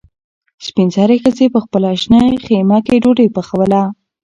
سپین سرې ښځې په خپله شنه خیمه کې ډوډۍ پخوله.